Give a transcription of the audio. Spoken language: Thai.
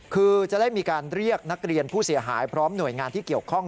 คือจะได้มีการเรียกนักเรียนผู้เสียหายพร้อมหน่วยงานที่เกี่ยวข้อง